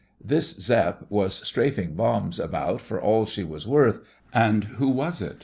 This Zepp was strafing bombs about for all she was worth, and — who was it?